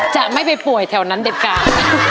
จะไม่ไปป่วยแถวนั้นเด็ดขาด